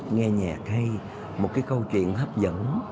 nghe nhạc hay một cái câu chuyện hấp dẫn